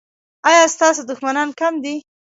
ایا ستاسو دښمنان کم دي؟